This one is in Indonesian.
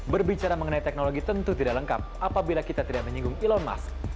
berbicara mengenai teknologi tentu tidak lengkap apabila kita tidak menyinggung elon musk